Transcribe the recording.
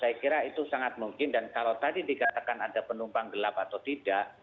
saya kira itu sangat mungkin dan kalau tadi dikatakan ada penumpang gelap atau tidak